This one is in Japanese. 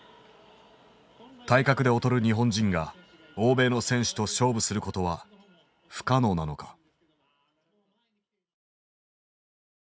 体格で劣る日本人が中長距離で欧米の選手と勝負することは不可能なのか。